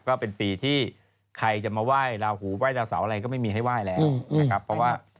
ก็เป็นปีที่ใครจะมาไหว้ลาหูไหว้ดาวเสาอะไรก็ไม่มีให้ไหว้แล้วนะครับเพราะว่า